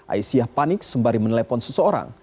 aisyah panik sembari menelpon seseorang